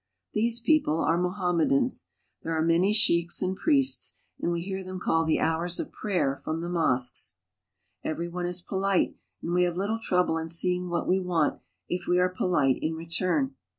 These people are Mohammedans. There are many sheiks and priests, and we hear them call the hours of prayer from the mosques. Every one is polite, and we have little trouble in seeing J what we want if we are polite in return.